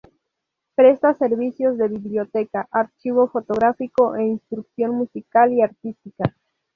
Presta servicios de biblioteca, archivo fotográfico e instrucción musical y artística.